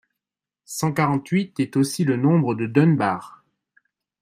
Cent quarante-huit est aussi le nombre de Dunbar.